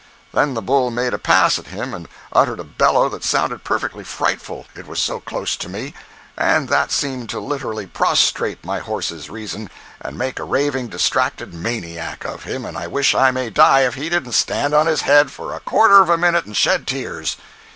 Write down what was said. "Then the bull made a pass at him and uttered a bellow that sounded perfectly frightful, it was so close to me, and that seemed to literally prostrate my horse's reason, and make a raving distracted maniac of him, and I wish I may die if he didn't stand on his head for a quarter of a minute and shed tears.